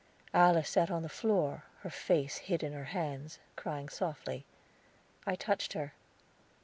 Alice sat on the floor, her face hid in her hands, crying softly. I touched her.